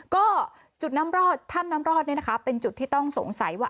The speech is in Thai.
ก็จุดน้ำรอดถ้ำน้ำรอดเป็นจุดที่ต้องสงสัยว่า